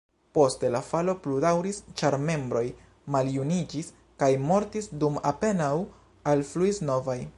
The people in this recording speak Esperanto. Poste la falo plu daŭris, ĉar membroj maljuniĝis kaj mortis, dum apenaŭ alfluis novaj.